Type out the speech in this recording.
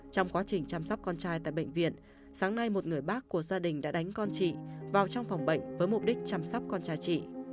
trong quá trình chăm sóc con trai tại bệnh viện sáng nay một người bác của gia đình đã đánh con chị vào trong phòng bệnh với mục đích chăm sóc con trai chị